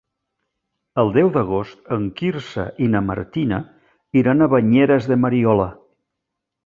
El deu d'agost en Quirze i na Martina iran a Banyeres de Mariola.